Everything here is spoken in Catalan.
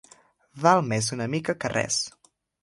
Val més una mica que res